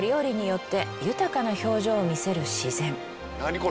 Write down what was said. これ。